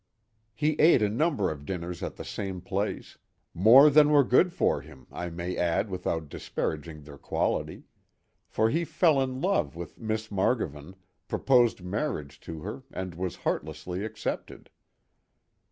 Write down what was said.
He ate a number of dinners at the same place—more than were good for him, I may add without disparaging their quality; for he fell in love with Miss Margovan, proposed marriage to her and was heartlessly accepted.